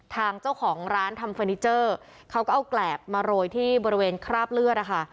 ทางเจ้าของร้านทำเฟอร์นิเจอร์เขาก็เอาแกรบมาโรยที่บริเวณคราบเลือดนะคะ